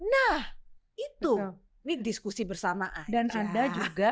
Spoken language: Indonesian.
nah itu ini diskusi bersama aja